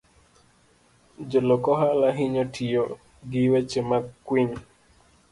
Jolok ohala hinyo tiyo gi weche makwiny.